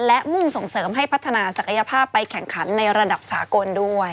และมุ่งส่งเสริมให้พัฒนาศักยภาพไปแข่งขันในระดับสากลด้วย